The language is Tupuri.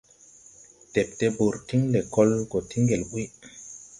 Dɛpte bɔr tiŋ lɛkɔl gɔ ti ŋgel ɓuy.